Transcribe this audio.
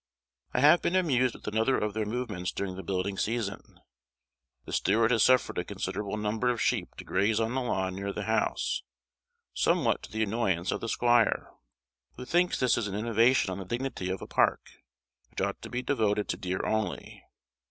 I have been amused with another of their movements during the building season. The steward has suffered a considerable number of sheep to graze on a lawn near the house, somewhat to the annoyance of the squire, who thinks this an innovation on the dignity of a park, which ought to be devoted to deer only.